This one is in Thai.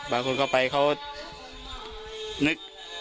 บางคนเข้าไปเขานึก